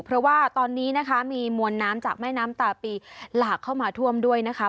เพราะว่าตอนนี้นะคะมีมวลน้ำจากแม่น้ำตาปีหลากเข้ามาท่วมด้วยนะคะ